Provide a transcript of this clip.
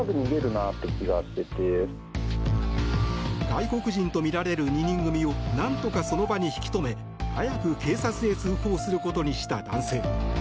外国人とみられる２人組をなんとかその場に引き留め早く警察へ通報することにした男性。